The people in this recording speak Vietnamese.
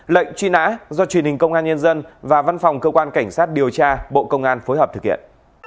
lệnh truy nã do truyền hình công an nhân dân và văn phòng cơ quan cảnh sát điều tra bộ công an phối hợp thực hiện